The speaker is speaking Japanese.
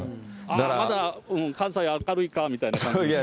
まだ、関西明るいかみたいな感じ